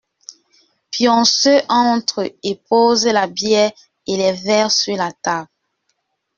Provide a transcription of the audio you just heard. Pionceux entre et pose la bière et les verres sur la table.